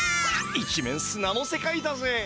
一面すなの世界だぜ。